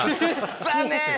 残念。